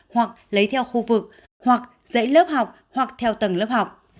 hoặc lấy theo khu vực hoặc dãy lớp học hoặc theo tầng lớp học